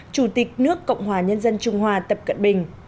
chủ tịch nước cộng hòa nhân dân trung hoa tập cận bình